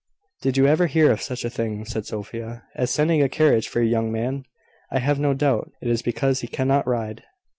"Did you ever hear of such a thing," said Sophia, "as sending a carriage for a young man? I have no doubt it is because he cannot ride."